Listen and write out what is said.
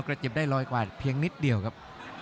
เจ็บได้ร้อยกว่าเพียงนิดเดียวครับ